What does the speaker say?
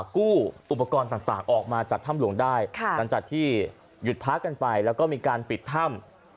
กู้อุปกรณ์ต่างออกมาจากถ้ำหลวงได้หลังจากที่หยุดพักกันไปแล้วก็มีการปิดถ้ำ